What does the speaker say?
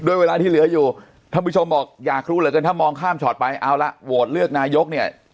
เวลาที่เหลืออยู่ท่านผู้ชมบอกอยากรู้เหลือเกินถ้ามองข้ามชอตไปเอาละโหวตเลือกนายกเนี่ย